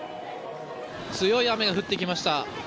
強い雨が降ってきました。